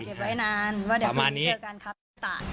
เก็บไว้นานว่าเดี๋ยวคืนนี้เจอกันครับต่าย